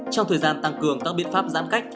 trong thời gian tăng cường các biện pháp giãn cách